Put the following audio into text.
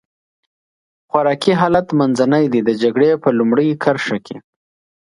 خوراکي حالت منځنی دی، د جګړې په لومړۍ کرښه کې.